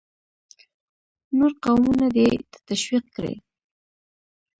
نور قومونه دې ته تشویق کړي.